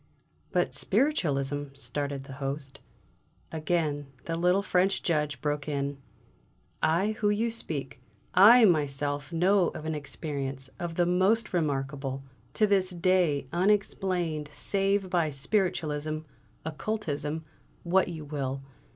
"But Spiritualism " started the Host. Again the little French Judge broke in: "I who you speak, I myself know of an experience, of the most remarkable, to this day unexplained save by Spiritualism, Occultism, what you will!